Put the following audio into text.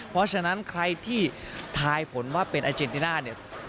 เพราะฉะนั้นใครที่ทายผลว่าเป็นอาเจนติน่าเนี่ย